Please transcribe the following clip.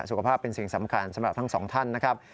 สุขภาพเป็นสิ่งสำคัญสำหรับทั้งสองท่านนะครับ